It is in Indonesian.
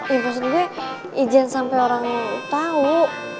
ya maksud gue izin sampe orang tau